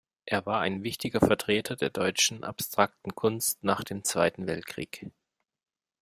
Er war ein wichtiger Vertreter der deutschen Abstrakten Kunst nach dem Zweiten Weltkrieg.